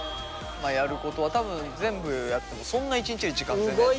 やることは多分全部やってもそんな一日で時間全然取らない。